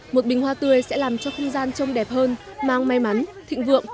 một bình hoa tươi sẽ làm cho không gian trông đẹp hơn mang may mắn thịnh vượng